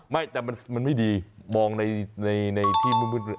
ไม่แต่มันไม่ดีมองในที่มืด